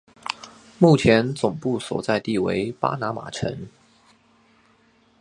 目前总部所在地为巴拿马城。